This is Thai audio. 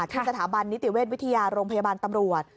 สถาบันนิติเวชวิทยาโรงพยาบาลตำรวจ